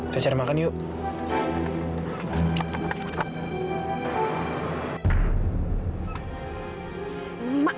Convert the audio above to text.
saya cari makan yuk